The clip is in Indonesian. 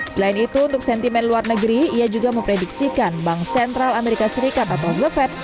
selain itu untuk sentimen luar negeri ia juga memprediksikan bank sentral amerika serikat atau the fed